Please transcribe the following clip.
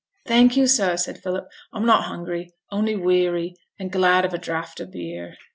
'Thank you, sir!' said Philip. 'I'm not hungry, only weary, and glad of a draught of beer.'